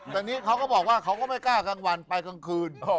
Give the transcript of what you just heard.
แต่นี่เขาก็บอกว่าเขาก็ไม่กล้ากลางวันไปกลางคืน